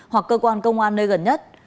hoặc cơ quan công an nơi gần nhất